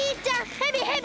ヘビヘビ！